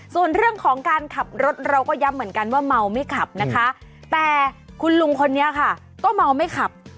ส่วนเรื่องของการขับรถเราก็ย้ำเหมือนกันว่าเมาไม่ขับนะคะแต่คุณลุงคนนี้ค่ะก็เมาไม่ขับ